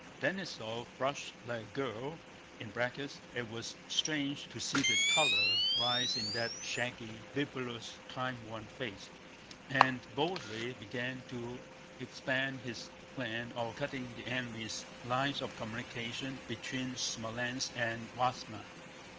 Denísov blushed like a girl (it was strange to see the color rise in that shaggy, bibulous, time worn face) and boldly began to expound his plan of cutting the enemy's lines of communication between Smolénsk and Vyázma.